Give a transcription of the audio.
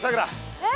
えっ？